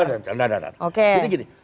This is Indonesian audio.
tidak tidak tidak